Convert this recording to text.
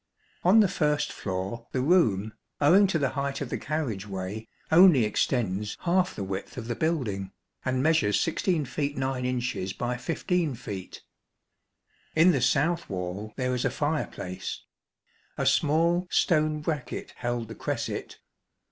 On the first floor the room, owing to the height of the carriage way, only extends half the width of the building, and measures 16 feet 9 inches by 15 feet. In the south wall there is a fireplace. A small stone bracket held the cresset.